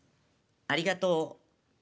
ありがとう。